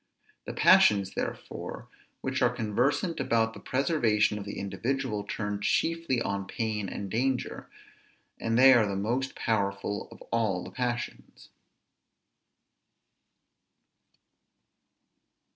The passions therefore which are conversant about the preservation of the individual turn chiefly on pain and danger, and they are the most powerful of all the passions.